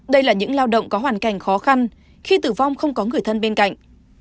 đây là những lao động có hoàn cảnh khó khăn khi tử vong không có người thân bên cạnh